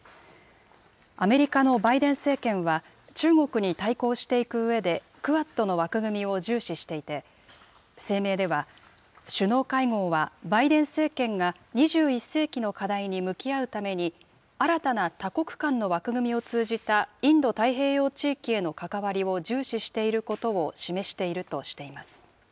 アメリカのバイデン政権は、中国に対抗していくうえで、クアッドの枠組みを重視していて、声明では、首脳会合はバイデン政権が２１世紀の課題に向き合うために、新たな多国間の枠組みを通じた、インド太平洋地域への関わりを重視していることを示しているとしています。